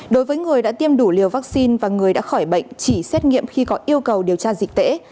đối với người đã tiêm đủ liều vaccine và người đã khỏi bệnh chỉ xét nghiệm khi có yêu cầu điều tra dịch tễ